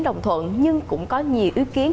đồng thuận nhưng cũng có nhiều ý kiến